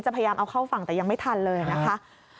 พยายามเอาเข้าฝั่งแต่ยังไม่ทันเลยนะคะ